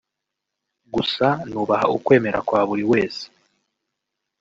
gusa nubaha ukwemera kwa buri wese